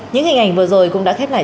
những hình ảnh vừa rồi cũng đã khép lại